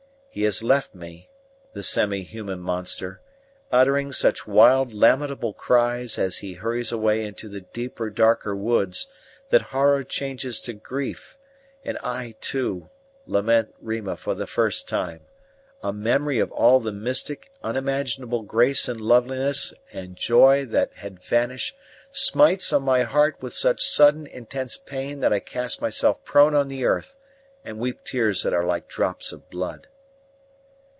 He has left me, the semi human monster, uttering such wild, lamentable cries as he hurries away into the deeper, darker woods that horror changes to grief, and I, too, lament Rima for the first time: a memory of all the mystic, unimaginable grace and loveliness and joy that had vanished smites on my heart with such sudden, intense pain that I cast myself prone on the earth and weep tears that are like drops of blood.